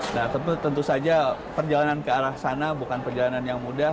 nah tentu saja perjalanan ke arah sana bukan perjalanan yang mudah